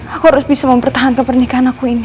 aku harus bisa mempertahankan pernikahan aku ini